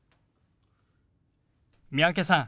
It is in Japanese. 三宅さん